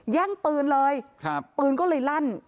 แย่งปืนเลยปืนก็เลยลั่น